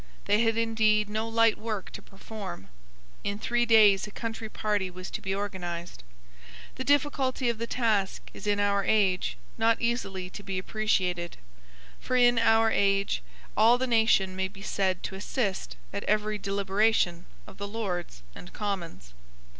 They had indeed no light work to perform. In three days a country party was to be organized. The difficulty of the task is in our age not easily to be appreciated; for in our age all the nation may be said to assist at every deliberation of the Lords and Commons.